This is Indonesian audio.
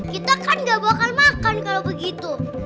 kita kan gak bakal makan kalau begitu